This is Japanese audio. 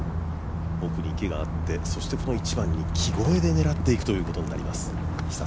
奥に木があって、この１番に木越えで狙っていくことになります